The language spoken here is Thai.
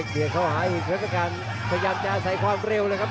เหล็กเบียร์เข้าหายหินเพื่อการพยายามจะใส่ความเร็วเลยครับ